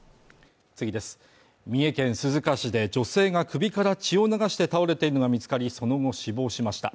三重県鈴鹿市で女性が首から血を流して倒れているのが見つかりその後死亡しました。